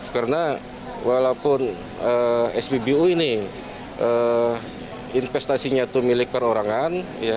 karena walaupun spbu ini investasinya itu milik perorangan